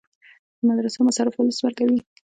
د مدرسو مصارف ولس ورکوي